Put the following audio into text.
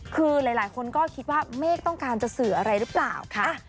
คือหลายคนก็คิดว่าเมฆต้องการจะสื่ออะไรหรือเปล่าค่ะ